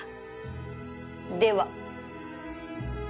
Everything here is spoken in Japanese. では